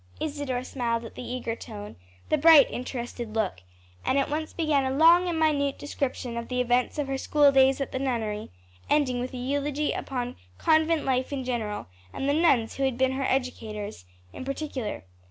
Isadore smiled at the eager tone, the bright interested look, and at once began a long and minute description of the events of her school days at the nunnery, ending with a eulogy upon convent life in general, and the nuns who had been her educators, in particular.